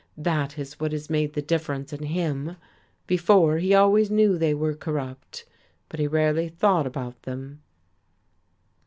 That is what has made the difference in him. Before, he always knew they were corrupt, but he rarely thought about them."